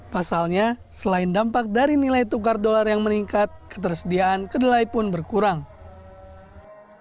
namun yang dikhawatirkan oleh kooperasi tahu dan tempe indonesia cabang jawa barat atau koop tijabar adalah harganya akan terus naik